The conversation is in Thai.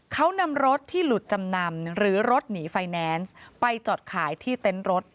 เขานำรถที่หลุดจำนำหรือรถหนีไฟแนนซ์ไปจอดขายที่เต็นต์รถ